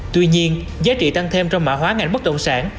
tuy nhiên giá trị tăng thêm trong mạ hóa ngành bất động sản